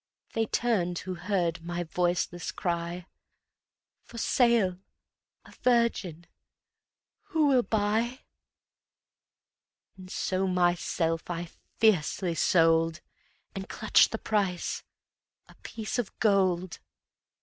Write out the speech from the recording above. They turned, who heard my voiceless cry, "For Sale, a virgin, who will buy?" And so myself I fiercely sold, And clutched the price, a piece of gold.